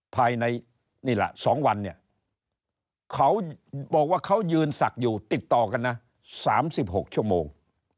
ภายในนี้ละสองวันเนี่ยเค้าบอกว่าเค้ายืนสักอยู่ติดต่อกันนะสามสิบหกชั่วโมง